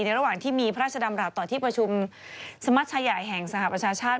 ระหว่างที่มีพระราชดำรัฐต่อที่ประชุมสมัชชายใหญ่แห่งสหประชาชาติ